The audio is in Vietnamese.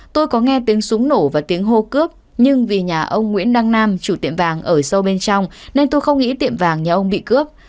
tôi có nghe tiếng súng nổ và tiếng hô cướp nhưng vì nhà ông nguyễn đăng nam chủ tiệm vàng ở sâu bên trong nên tôi không nghĩ tiệm vàng nhà ông bị cướp